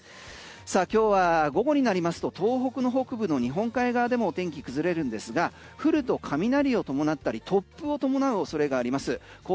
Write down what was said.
今日は午後になりますと東北の北部の日本海側でも天気崩れるんですが降ると雷を伴ったり、突風を伴う恐れがあります。